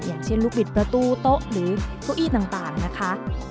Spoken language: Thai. อย่างเช่นลูกบิดประตูโต๊ะหรือเก้าอี้ต่างนะคะ